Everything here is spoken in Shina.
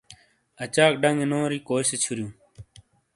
اچاک ڈنگے نوری کوئی سے چھُریئوں؟